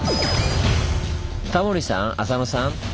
タモリさん浅野さん